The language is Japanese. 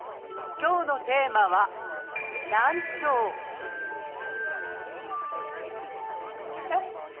今日のテーマは「難聴」えっ？